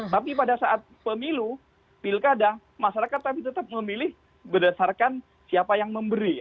tapi pada saat pemilu pilkada masyarakat tapi tetap memilih berdasarkan siapa yang memberi